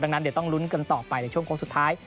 ดังนั้นเดี๋ยวต้องลุ้นกันต่อไปในช่วงโค้งสุดท้าย